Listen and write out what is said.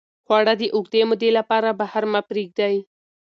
خواړه د اوږدې مودې لپاره بهر مه پرېږدئ.